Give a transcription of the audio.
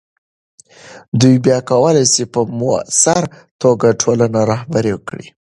دوی بیا کولی سي په مؤثره توګه ټولنه رهبري کړي.